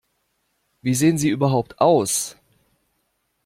Wie sehen Sie überhaupt aus?